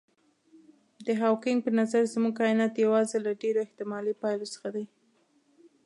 د هاوکېنګ په نظر زموږ کاینات یوازې یو له ډېرو احتمالي پایلو څخه دی.